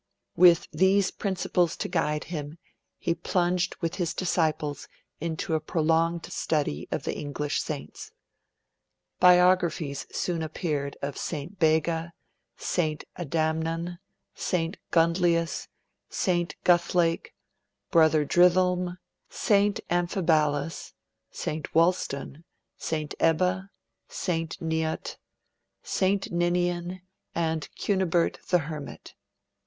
With these principles to guide him, he plunged with his disciples into a prolonged study of the English Saints. Biographies soon appeared of St. Bega, St. Adamnan, St. Gundleus, St. Guthlake, Brother Drithelm, St. Amphibalus, St. Wuistan, St. Ebba, St. Neot, St. Ninian, and Cunibert the Hermit.